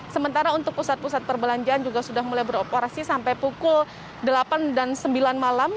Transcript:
sementara untuk pusat pusat perbelanjaan juga sudah mulai beroperasi sampai pukul delapan dan sembilan malam